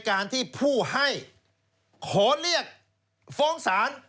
ขอเรียกฟ้องศาล